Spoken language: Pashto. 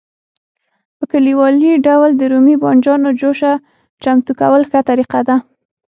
په کلیوالي ډول د رومي بانجانو جوشه چمتو کول ښه طریقه ده.